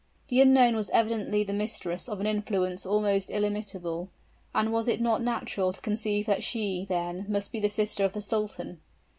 The unknown was evidently the mistress of an influence almost illimitable; and was it not natural to conceive that she, then, must be the sister of the sultan?